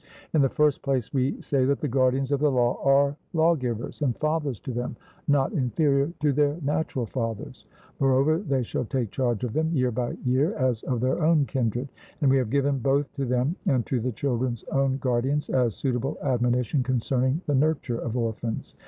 In the first place, we say that the guardians of the law are lawgivers and fathers to them, not inferior to their natural fathers. Moreover, they shall take charge of them year by year as of their own kindred; and we have given both to them and to the children's own guardians as suitable admonition concerning the nurture of orphans.